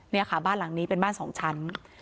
นี่ค่ะบ้านหลังนี้เป็นบ้านสองชั้น